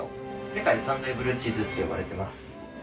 世界３大ブルーチーズって呼ばれてます。